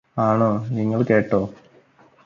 ആണോ നിങ്ങള് കേട്ടോ